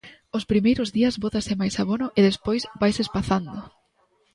Os primeiros días bótase máis abono e despois vaise espazando.